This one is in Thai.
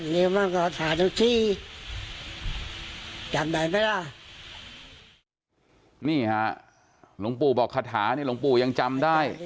นี่ค่ะหลวงปู่บอกคาถานี่หลวงปู่ก็ยังจำได้